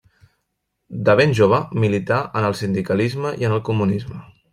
De ben jove milità en el sindicalisme i en el comunisme.